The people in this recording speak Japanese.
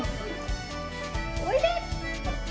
おいでっ！